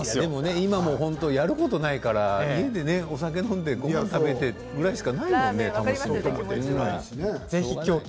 今、やることないから家でお酒を飲んでごはん食べてというぐらいしかないよね楽しみが。